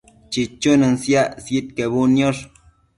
chichunën siac sidquebudniosh